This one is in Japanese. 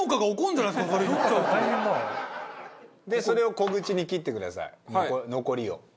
それを小口に切ってください残りを。